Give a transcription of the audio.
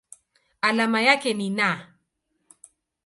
Alama yake ni Na.